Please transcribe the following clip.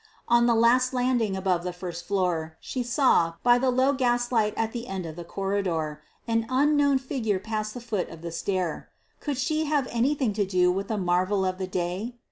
On the last landing above the first floor, she saw, by the low gaslight at the end of the corridor, an unknown figure pass the foot of the stair: could she have anything to do with the marvel of the day?